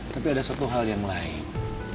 tapi ada satu hal yang lain